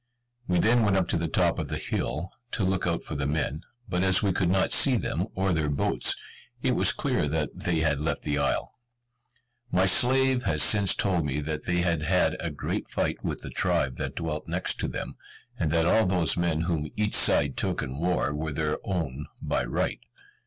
We then went up to the top of the hill, to look out for the men; but as we could not see them, or their boats, it was clear that they had left the isle. My slave has since told me that they had had a great fight with the tribe that dwelt next to them; and that all those men whom each side took in war were their own by right.